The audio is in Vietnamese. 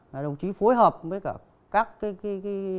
là đồng chí phối hợp với cả các cái